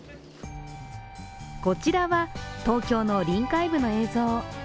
こちらは東京の臨海部の映像。